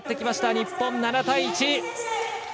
日本、７対１。